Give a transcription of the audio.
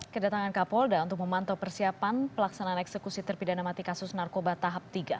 kedatangan kapolda untuk memantau persiapan pelaksanaan eksekusi terpidana mati kasus narkoba tahap tiga